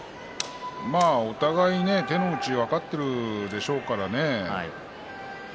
お互い、手の内は分かっているでしょうからね。